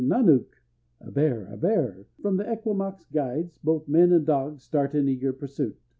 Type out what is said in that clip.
nannook!" ("A bear! a bear!") from the Esquimaux guides, both men and dogs start in eager pursuit.